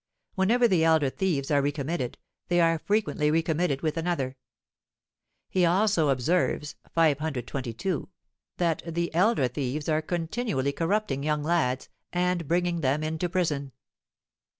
Whenever the elder thieves are recommitted, they are frequently recommitted with another.' He also observes (522) that 'the elder thieves are continually corrupting young lads, and bringing them into prison.'